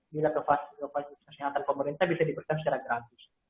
di latovasi kesehatan pemerintah bisa diberikan secara gratis